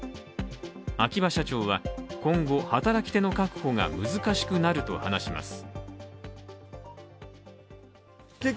秋葉社長は今後、働き手の確保が難しくなると話します。